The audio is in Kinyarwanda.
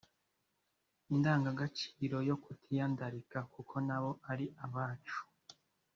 indangagaciro yo kutiyandarika kuko nabo ari abacu